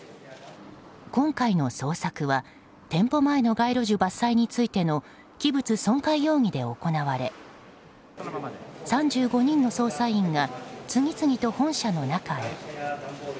今回の捜索は店舗前の街路樹伐採についての器物損壊容疑で行われ３５人の捜査員が次々と本社の中へ。